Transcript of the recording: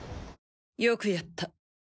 よくやった。